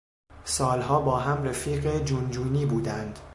سالها با هم رفیق جون جونی بودند.